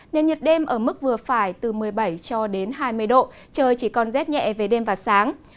nền nhiệt đêm ở mức vừa phải từ một mươi bảy cho đến hai mươi độ trời chỉ còn rét nhẹ về đêm và sáng